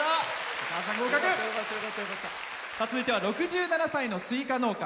続いては６７歳のスイカ農家。